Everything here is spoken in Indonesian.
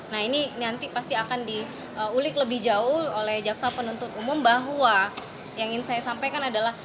nah ini nanti pasti akan diulik lebih jauh oleh jaksa penuntut umum bahwa yang ingin saya sampaikan adalah